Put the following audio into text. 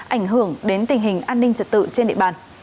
ảnh hưởng đến tình hình an ninh trật tự trên địa bàn